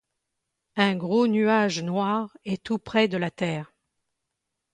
Un gros nuage noir est tout près de la terre ;